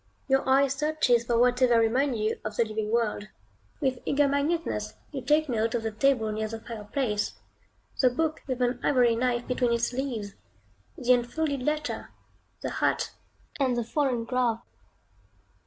Your eye searches for whatever may remind you of the living world. With eager minuteness, you take note of the table near the fireplace, the book with an ivory knife between its leaves, the unfolded letter, the hat, and the fallen glove.